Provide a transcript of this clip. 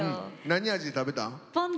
何味食べたん？